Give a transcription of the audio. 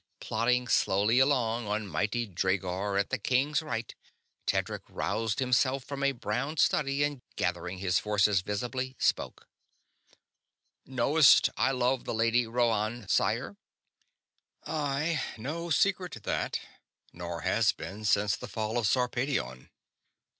Plodding slowly along on mighty Dreegor at the king's right, Tedric roused himself from a brown study and, gathering his forces visibly, spoke: "Knowst I love the Lady Rhoann, sire?" "Aye. No secret that, nor has been since the fall of Sarpedion."